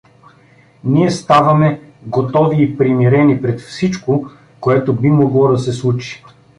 Ние ставаме, готови и примирени пред всичко, което би могло да се случи.